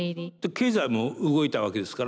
経済も動いたわけですからね。